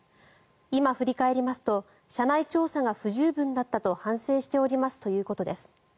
今、振り返りますと社内調査が不十分だったと反省しておりますということです。